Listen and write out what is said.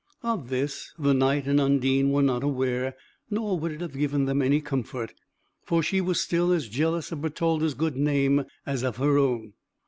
Of this, the Knight and Undine were not aware; nor would it have given them any comfort, for she was still as jealous of Bertalda's good name as of her own.